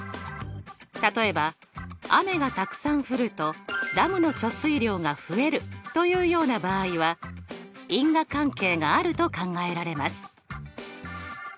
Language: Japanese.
例えば雨がたくさん降るとダムの貯水量が増えるというような場合は因果関係があると考えられます。